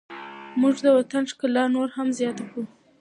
موږ به د وطن ښکلا نوره هم زیاته کړو.